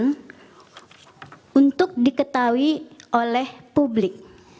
hai untuk diketahui oleh publik